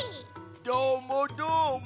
どーもどーも。